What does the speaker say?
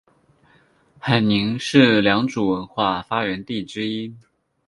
海宁是良渚文化发源地之一。